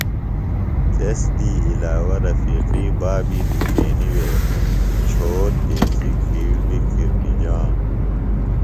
تس دی علاوہ رفیقی بابی دُکینیۡ وے چھوت دیسیۡ گِھیڑ بیۡ کِرنِجانوۡ۔